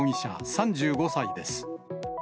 ３５歳です。